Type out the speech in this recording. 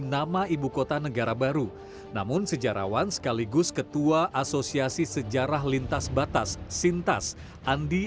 nama ibukota negara baru namun sejarawan sekaligus ketua asosiasi sejarah lintas batas sintas andi